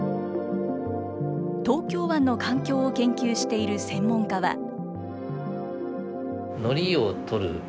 東京湾の環境を研究している専門家は。